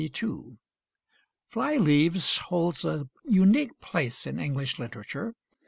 'Fly Leaves' holds a unique place in English literature.